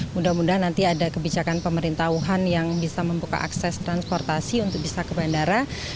mudah mudahan nanti ada kebijakan pemerintah wuhan yang bisa membuka akses transportasi untuk bisa ke bandara